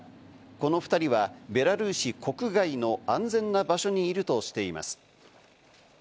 この２人はベラルーシ国外の安全な場所にいるとしています。